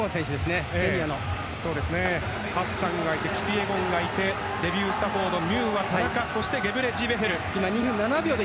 ハッサンがいてキピエゴンがいてデビュー・スタフォードミューア、田中そしてゲブレジベヘル。